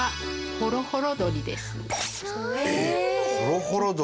ホロホロ鳥。